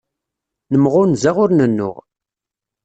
Nemɣunza ur nennuɣ.